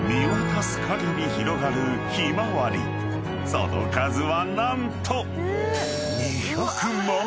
［その数は何と］